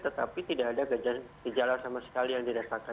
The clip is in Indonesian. tetapi tidak ada gejala sama sekali yang dirasakan